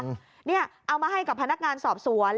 เอามาให้กับพนักงานสอบสวน